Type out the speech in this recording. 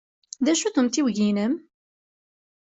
D acu-t umtiweg-nnem?